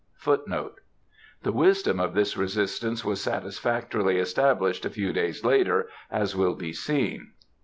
Footnote 5: The wisdom of this resistance was satisfactorily established a few days later, as will be seen.